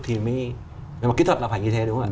thì mới nhưng mà kỹ thuật là phải như thế đúng không ạ